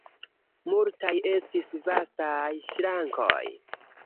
Multaj estis vastaj ŝrankoj.